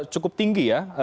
cukup tinggi ya